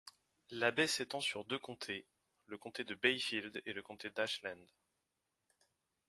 La baie s'étend sur deux comtés, le comté de Bayfield et le comté d'Ashland.